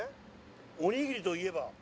おにぎりといえば。